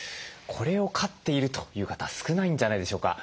これを飼っているという方は少ないんじゃないでしょうか。